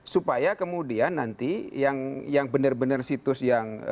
supaya kemudian nanti yang bener bener situs yang